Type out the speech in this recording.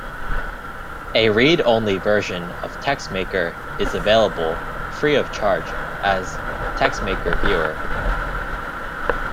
A read-only version of TextMaker is available free-of-charge as "TextMaker Viewer".